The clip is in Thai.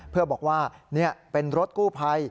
เพื่อบอกว่านี่เป็นรถกู้ภัย